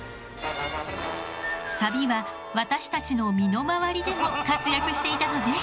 サビは私たちの身の回りでも活躍していたのね。